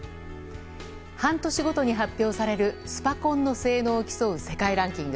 半年ごとに発表されるスパコンの性能を競う世界ランキング。